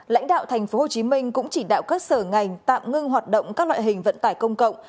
lãnh đạo tp hcm cũng chỉ đạo các sở ngành tạm ngưng hoạt động các loại hình vận tải công cộng